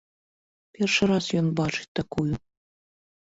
Першы раз ён бачыць такую.